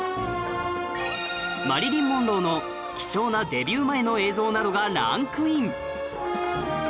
マリリン・モンローの貴重なデビュー前の映像などがランクイン